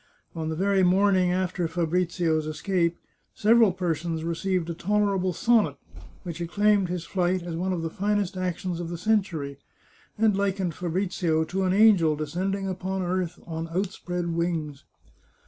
On the very morning after Fabrizio's escape, several per sons received a tolerable sonnet, which acclaimed his flight as one of the finest actions of the century, and likened Fa brizio to an angel descending upon earth on outspread wings.